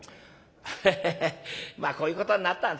ヘヘヘまあこういうことになったんですからね